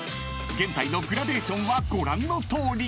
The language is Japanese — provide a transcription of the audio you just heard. ［現在のグラデーションはご覧のとおり］